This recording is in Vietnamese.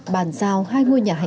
bàn giao hai ngôi nhà